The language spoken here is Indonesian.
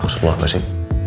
maksud lu apa sih